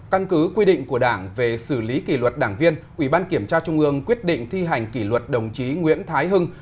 căn cứ quy định của đảng về xử lý kỷ luật đảng viên ủy ban kiểm tra trung ương quyết định thi hành kỷ luật đồng chí nguyễn thái hưng